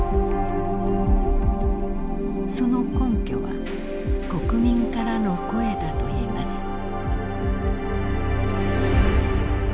その根拠は国民からの声だといいます。